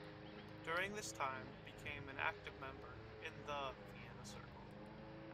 During this time, became an active member in the Vienna Circle.